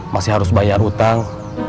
masih harus bayar utang